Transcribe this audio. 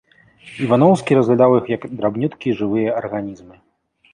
Іваноўскі разглядаў іх як драбнюткія жывыя арганізмы.